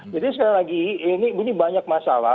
jadi sekali lagi ini banyak masalah